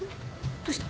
どうした？